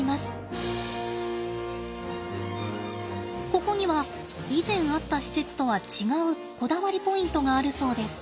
ここには以前あった施設とは違うこだわりポイントがあるそうです。